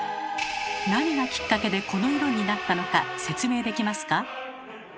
何がきっかけでこの色になったのか説明できますか？